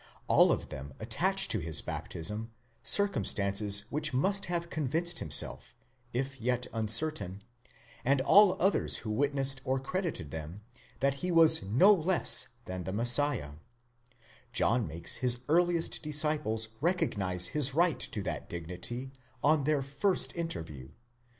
All of them attach to his baptism circumstances which must have convinced himself, if yet uncertain, and all others who witnessed or credited them, that he was no less than the Messiah ; John makes his earliest disciples recognise his right to that dignity on their first interview (i.